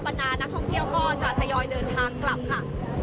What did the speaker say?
นานักท่องเที่ยวก็จะทยอยเดินทางกลับค่ะ